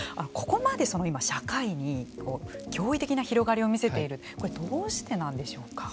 ここまで社会に驚異的な広がりを見せているこれ、どうしてなんでしょうか。